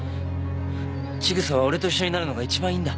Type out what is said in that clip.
千草は俺と一緒になるのが一番いいんだ。